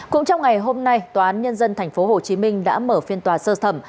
cũng trong ngày hôm nay tòa án nhân dân tp hcm đã mở phiên tòa sơ thẩm